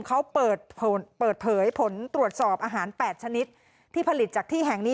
เขาเปิดเผยผลตรวจสอบอาหาร๘ชนิดที่ผลิตจากที่แห่งนี้